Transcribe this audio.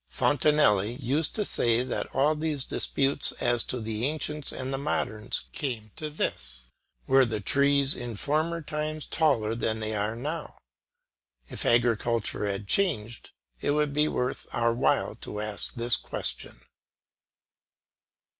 Fontenelle used to say that all these disputes as to the ancients and the moderns came to this Were the trees in former times taller than they are now. If agriculture had changed, it would be worth our while to ask this question.